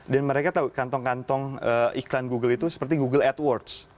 dan mereka tahu kantong kantong iklan google itu seperti google adwords